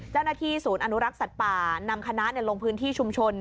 เจ้าหน้าที่ศูนย์อนุรักษ์สัตว์ป่านำคณะลงพื้นที่ชุมชน